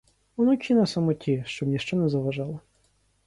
Уночі на самоті, щоб ніщо не заважало.